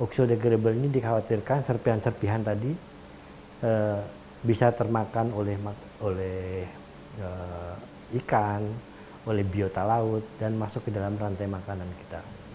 oksodegrable ini dikhawatirkan serpihan serpihan tadi bisa termakan oleh ikan oleh biota laut dan masuk ke dalam rantai makanan kita